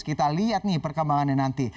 kita lihat nih perkembangannya nanti